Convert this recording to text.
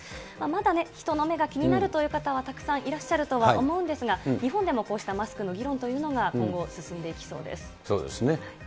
まだ人の目が気になるという方はたくさんいらっしゃるとは思うんですが、日本でもこうしたマスクの議論というのが、今後、進んでそうですね。